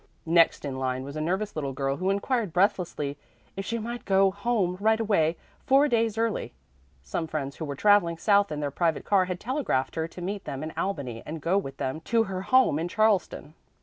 Next in line was a nervous little girl who inquired breathlessly if she might go home right away four days early. Some friends who were traveling south in their private car had telegraphed her to meet them in Albany and go with them to her home in Charleston.